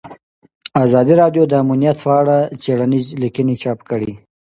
ازادي راډیو د امنیت په اړه څېړنیزې لیکنې چاپ کړي.